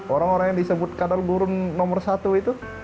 orang orang yang disebut kadal gurun nomor satu itu